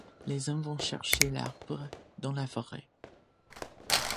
Les hommes vont chercher l’arbre dans la forêt.